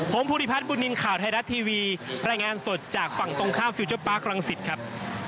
ผมภูริพัฒนบุญนินทร์ข่าวไทยรัฐทีวีรายงานสดจากฝั่งตรงข้ามฟิลเจอร์ปาร์ครังสิตครับ